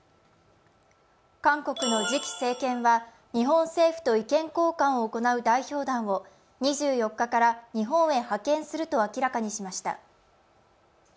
韓国の次期政権は日本政府と意見交換をする代表団を２４日から日本へ派遣すると明らかにしました。